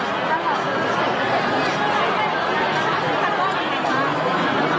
ขอบคุณครับขอบคุณครับ